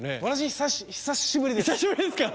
私久しぶりです